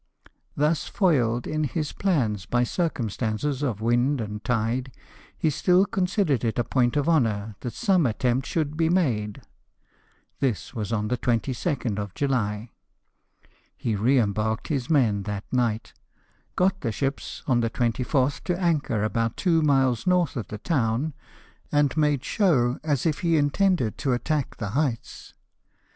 Thus foiled in his plans by circumstances of wind and tide, he still considered it a point of honour that some attempt should be made. This was on the 22nd of July ; he re embarked his men that night, got the ships on the 24th to anchor about two miles north of the town, and made show EXPEDITION AGAINST TENERIFIE. 115 as if he intended to attack the heights.